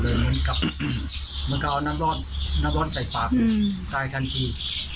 เหมือนกับมันก็เอาน้ำร้อนน้ำร้อนใส่ปากกายทันที